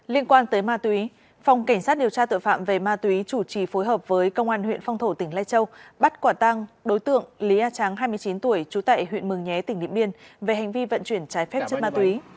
liên quan tới ma túy phòng cảnh sát điều tra tội phạm về ma túy chủ trì phối hợp với công an huyện phong thổ tỉnh lai châu bắt quả tăng đối tượng lý a trắng hai mươi chín tuổi trú tại huyện mường nhé tỉnh điện biên về hành vi vận chuyển trái phép chất ma túy